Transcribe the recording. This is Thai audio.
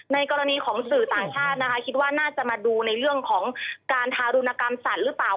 ในกรณีของสื่อต่างชาตินะคะคิดว่าน่าจะมาดูในเรื่องของการทารุณกรรมสัตว์หรือเปล่า